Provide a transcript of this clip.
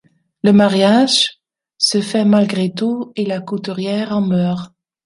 Le mariage se fait malgré tout et la couturière en meurt.